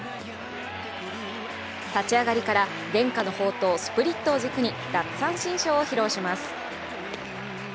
立ち上がりから伝家の宝刀、スプリットを軸に奪三振ショーを披露します。